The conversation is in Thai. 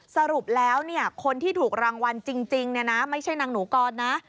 สรุปแล้วคนที่ถูกรางวัลจริงไม่ใช่นางหนูกรนะ